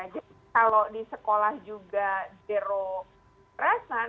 jadi kalau di sekolah juga zero kekerasan